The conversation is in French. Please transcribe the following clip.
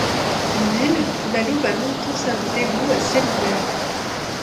En ville, la Louve a longtemps servi d'égout à ciel ouvert.